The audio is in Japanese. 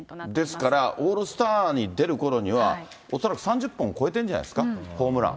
ですからオールスターに出るころには、恐らく３０本超えてるんじゃないですか、ホームラン。